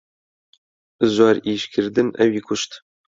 زۆر ئیشکردن ئەوی کوشت.